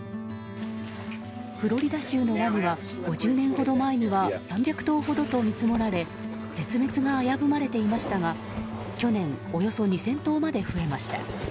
フロリダ州のワニは５０年ほど前には３００頭ほどと見積もられ絶滅が危ぶまれていましたが去年、およそ２０００頭まで増えました。